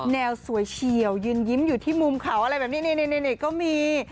แนวสวยเฉียวยืนยิ้มอยู่ที่มุมเขาอะไรแบบนี้นี่ก็มี